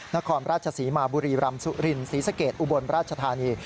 นครราชศรีมาบุรีรำสุรินศรีสะเกดอุบลราชธานี